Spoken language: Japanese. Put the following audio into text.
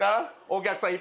お客さん